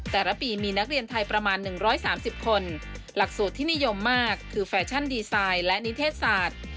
แต่ละปีมีนักเรียนไทยประมาณ๑๓๐คนหลักสูตรที่นิยมมากคือแฟชั่นดีไซน์และนิเทศศาสตร์